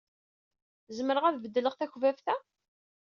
Zemreɣ ad beddleɣ takbabt-a?